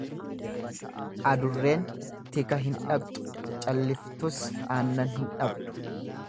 Adurreen tika hin dhaqxu calliftus aannan hin dhabdu.